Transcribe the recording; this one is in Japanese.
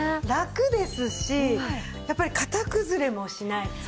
ラクですしやっぱり型崩れもしない。